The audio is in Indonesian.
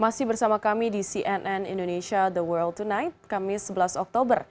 masih bersama kami di cnn indonesia the world tonight kamis sebelas oktober